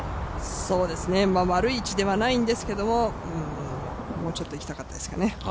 そうですね、悪い位置ではないんですけれどももうちょっといきたかったですかね。